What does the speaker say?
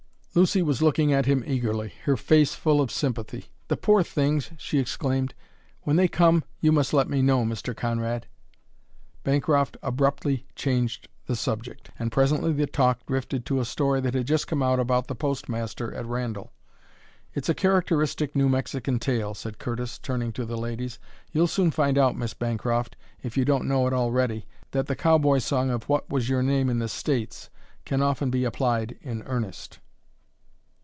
Lucy was looking at him eagerly, her face full of sympathy. "The poor things!" she exclaimed. "When they come you must let me know, Mr. Conrad." Bancroft abruptly changed the subject, and presently the talk drifted to a story that had just come out about the postmaster at Randall. "It's a characteristic New Mexican tale," said Curtis, turning to the ladies. "You'll soon find out, Miss Bancroft, if you don't know it already, that the cowboy song of 'What was your name in the States?' can often be applied in earnest."